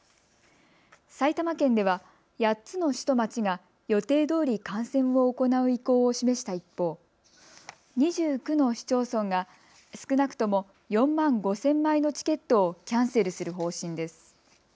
埼玉県では８つの市と町が予定どおり観戦を行う意向を示した一方、２９の市町村が少なくとも４万５０００枚のチケットをキャンセルする方針です。